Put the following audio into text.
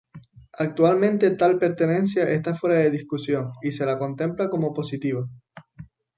Actualmente tal pertenencia está fuera de discusión y se la contempla como positiva.